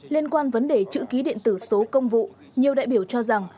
liên quan vấn đề chữ ký điện tử số công vụ nhiều đại biểu cho rằng